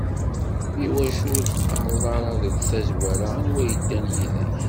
Iwacu ur d-teqqareḍ ara deg tazwara anwa yeddan yid-k?